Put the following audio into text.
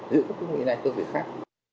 giữ cơ vị này cơ vị khác